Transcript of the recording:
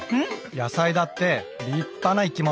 野菜だって立派な生きもの。